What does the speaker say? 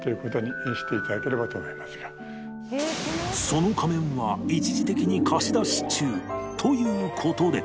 その仮面は一時的に貸し出し中という事で